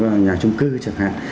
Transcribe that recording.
phân khúc nhà chung cư chẳng hạn